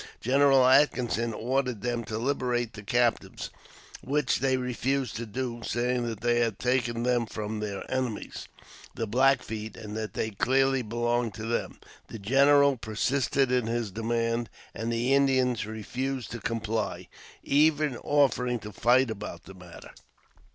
General Atkinson ordered them to liberate the captives, which they refused to do, saying that they had taken them from their enemies, the Black Feet, and that they clearly belonged to them. The general persisted in his demand, and the Indians refused to comply, even offering to fight about the matter.